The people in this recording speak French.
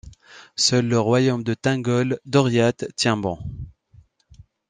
Seul le royaume de Thingol, Doriath, tient bon.